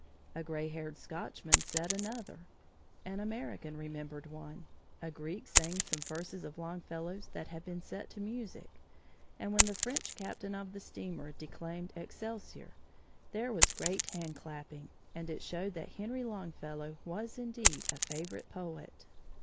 A gray haired Scotchman said another, an American remembered one, a Greek sang some verses of Longfellow's that had been set to music, and when the French captain of the steamer declaimed "Excelsior", there was great handclapping, and it showed that Henry Longfellow was indeed a favorite poet.